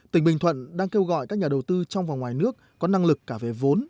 tỉnh bình thuận đang kêu gọi các nhà đầu tư trong và ngoài nước có năng lực cả về vốn